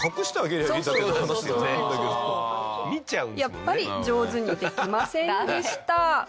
やっぱり上手にできませんでした。